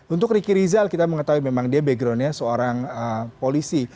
untuk ricky rizal kita mengetahui memang dia backgroundnya seorang polisi